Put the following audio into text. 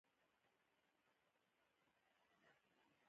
مېړانه که تر حد زيات شي.